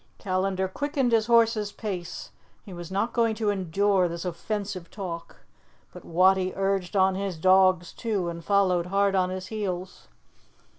Callandar quickened his horse's pace; he was not going to endure this offensive talk. But Wattie urged on his dogs too, and followed hard on his heels.